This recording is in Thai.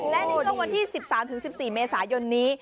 และในช่วงวันที่๑๓๑๔เมษายนนี้